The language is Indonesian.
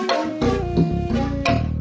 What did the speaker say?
sekarang cepet banget